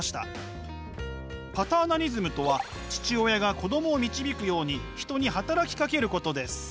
パターナリズムとは父親が子供を導くように人に働きかけることです。